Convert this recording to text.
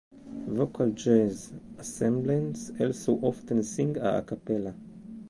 Vocal jazz ensembles also often sing a cappella.